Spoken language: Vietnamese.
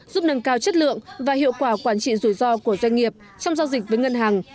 giúp nâng cao chất lượng và hiệu quả quản trị rủi ro của doanh nghiệp trong giao dịch với ngân hàng